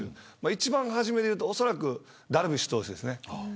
一番初めは、おそらくダルビッシュ投手ですね。